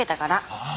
ああ！